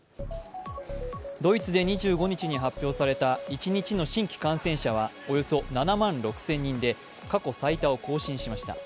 ドイツで２５日に発表された一日の新規感染者はおよそ７万６０００人で過去最多を更新しました。